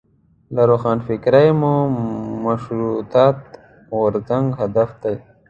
له روښانفکرۍ مو مشروطیت غورځنګ هدف دی.